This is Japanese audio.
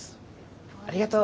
ありがとう。